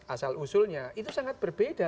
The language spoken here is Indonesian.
asal usulnya itu sangat berbeda